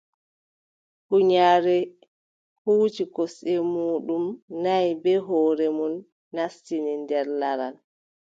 Huunyaare hooci kosɗe muuɗum nay, bee hoore mum naastini nder laral.